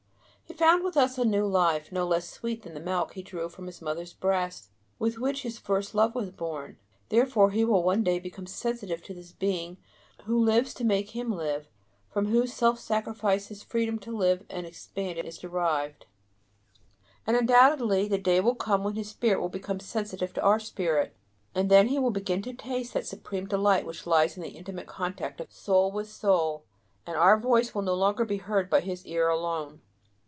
He found with us a new life, no less sweet than the milk he drew from his mother's breast, with which his first love was born. Therefore he will one day become sensitive to this being who lives to make him live, from whose self sacrifice his freedom to live and expand is derived. And undoubtedly the day will come when his spirit will become sensitive to our spirit; and then he will begin to taste that supreme delight which lies in the intimate contact of soul with soul, and our voice will no longer be heard by his ear alone.